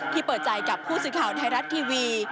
เปิดใจกับผู้สื่อข่าวไทยรัฐทีวี